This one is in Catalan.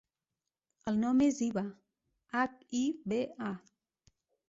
El nom és Hiba: hac, i, be, a.